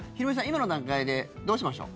今の段階でどうしましょう。